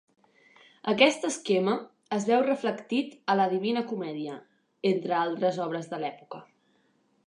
Aquest esquema es veu reflectit a la Divina Comèdia, entre altres obres de l'època.